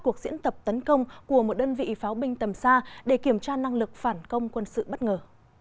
cuộc diễn tập tấn công của một đơn vị pháo binh tầm xa để kiểm tra năng lực phản công quân sự bất ngờ